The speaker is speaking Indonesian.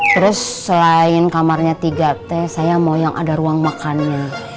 terus selain kamarnya tiga t saya mau yang ada ruang makannya